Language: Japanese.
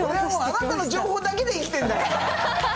あなたの情報だけで生きてんだから。